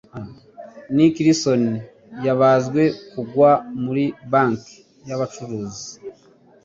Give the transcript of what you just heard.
Nick Leeson Yabazwe Kugwa Muri Banki Yabacuruzi